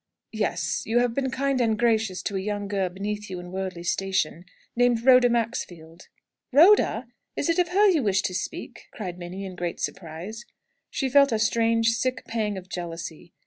"Yes; you have been kind and gracious to a young girl beneath you in worldly station, named Rhoda Maxfield." "Rhoda! Is it of her you wish to speak?" cried Minnie, in great surprise. She felt a strange sick pang of jealousy.